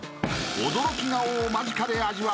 ［驚き顔を間近で味わう